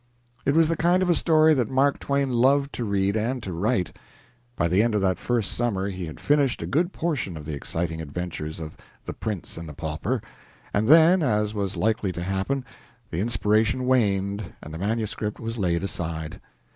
It was the kind of a story that Mark Twain loved to read and to write. By the end of that first summer he had finished a good portion of the exciting adventures of "The Prince and the Pauper," and then, as was likely to happen, the inspiration waned and the manuscript was laid aside.